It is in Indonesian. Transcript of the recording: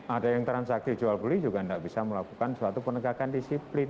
ada yang transaksi jual beli juga tidak bisa melakukan suatu penegakan disiplin